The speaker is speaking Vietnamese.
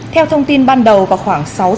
theo thông tin ban đầu vào khoảng sáng nay